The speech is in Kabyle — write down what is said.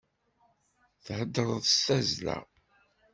Theddṛeḍ s tazzla.